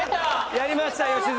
やりました吉住。